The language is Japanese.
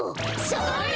それ！